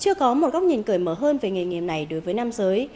chưa có một góc nhìn cởi mở hơn về nghề nghiệp này đối với nam giới